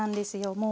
もう。